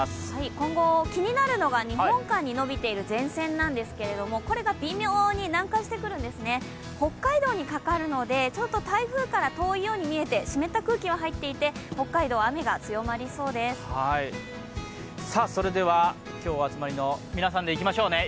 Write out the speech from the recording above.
今後、気になるのが日本海にのびている前線なんですけどこれが微妙に南下してくるんですね、北海道にかかるので、ちょっと台風から遠いように見えて湿った空気が入っていてそれでは今日お集まりの皆さんでいきましょう。